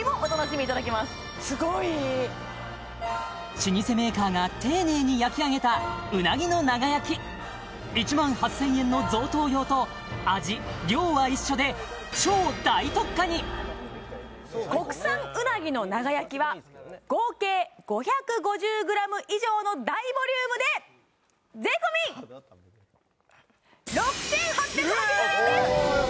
老舗メーカーが丁寧に焼き上げたうなぎの長焼き１万８０００円の贈答用と味量は一緒で超大特価に国産うなぎの長焼きは合計５５０ｇ以上の大ボリュームで税込ええっ！